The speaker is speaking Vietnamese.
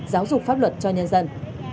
giáo dục pháp luật cho nhân dân